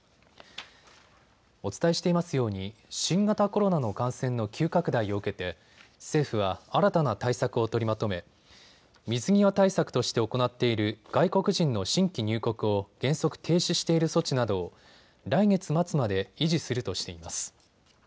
お伝えしていますように新型コロナの感染の急拡大を受けて政府は新たな対策を取りまとめ水際対策として行っている外国人の新規入国を原則停止している措置などを来月末まで維持するとしています。